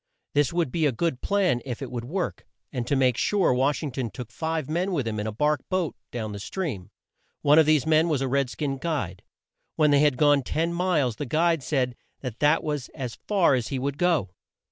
This would be a good plan, if it would work; and to make sure, Wash ing ton took five men with him in a bark boat down the stream. One of these men was a red skin guide. When they had gone ten miles, the guide said that that was as far as he would go.